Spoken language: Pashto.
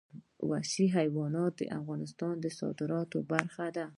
وحشي حیوانات د افغانستان د صادراتو برخه ده.